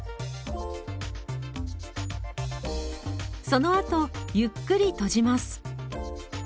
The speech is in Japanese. そのあとゆっくり閉じます。